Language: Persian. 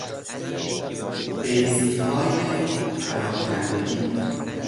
بیضیهای پراکندگی